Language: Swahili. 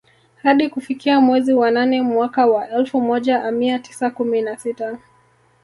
Hadi kufikia mwezi wanane mwaka wa elfu moja amia tisa kumi nasita